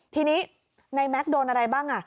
ทีนี้ในแม็กซ์โดนอะไรบ้าง